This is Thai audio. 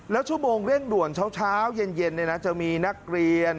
แล้วชั่วโมงเร่งด่วนเช้าเย็นจะมีนักเรียน